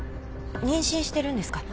妊娠してるんですか？